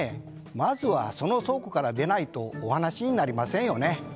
まずはその倉庫から出ないとお話になりませんよね。